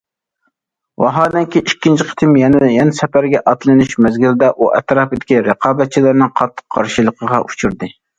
ۋاھالەنكى، ئىككىنچى قېتىم يەنە سەپەرگە ئاتلىنىش مەزگىلىدە ئۇ ئەتراپىدىكى رىقابەتچىلىرىنىڭ قاتتىق قارشىلىقىغا ئۇچرىدى.